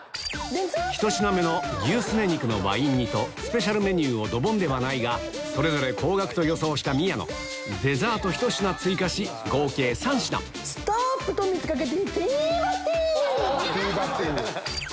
１品目の牛すね肉のワイン煮とスペシャルメニューをドボンではないがそれぞれ高額と予想した宮野ストップ！と見せかけてティーバッティング！